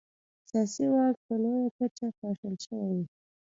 سیاسي واک په لویه کچه پاشل شوی و.